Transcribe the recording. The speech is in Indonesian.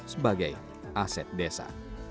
sebagai aset desa